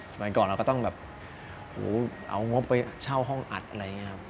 สมัยก่อนเราก็ต้องแบบเอางบไปเช่าห้องอัดอะไรอย่างนี้ครับ